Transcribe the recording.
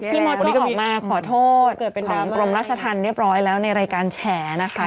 มดก็ออกมาขอโทษของกรมราชธรรมเรียบร้อยแล้วในรายการแฉนะคะ